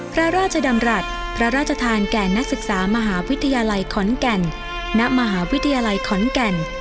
พระราชดำรัฐพระราชทานแก่นักศึกษามหาวิทยาลัยขอนแก่นณมหาวิทยาลัยขอนแก่น